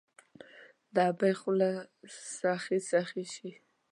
د ابۍ خوله سخي، سخي شي